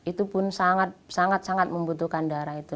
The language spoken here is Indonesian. itu pun sangat sangat membutuhkan darah itu